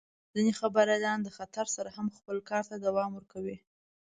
ځینې خبریالان د خطر سره هم خپل کار ته دوام ورکوي.